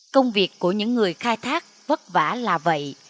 công việc của những người khai thác vất vả là vậy